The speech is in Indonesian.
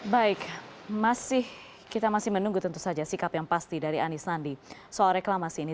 baik kita masih menunggu tentu saja sikap yang pasti dari anies sandi soal reklamasi ini